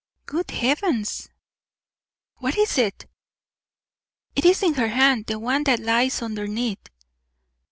"Good heavens!" "What is it?" "It is in her hand; the one that lies underneath."